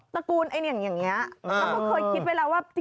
ระกูลไอ้เนี่ยอย่างนี้แล้วก็เคยคิดไว้แล้วว่า